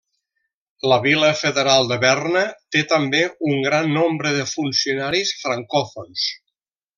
La vila federal de Berna té també un gran nombre de funcionaris francòfons.